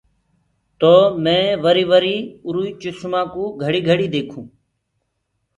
تو مينٚ وري وري اُرو آئي چسمآ ڪوُ گھڙيٚ گھڙيٚ ديکون۔